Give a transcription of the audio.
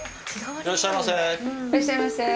いらっしゃいませ。